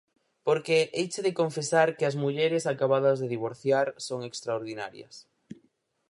Porque heiche de confesar que as mulleres acabadas de divorciar son extraordinarias.